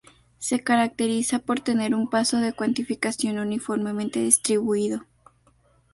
Se caracteriza por tener un paso de cuantificación uniformemente distribuido.